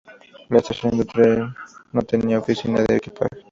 La estación de tren no tenía oficina de equipaje.